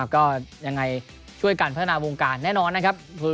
ก็ยังไงช่วยกันพัฒนาวงการแน่นอนนะครับ